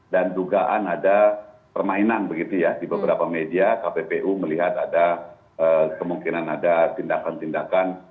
dan dugaan ada permainan begitu ya di beberapa media kppu melihat ada kemungkinan ada tindakan tindakan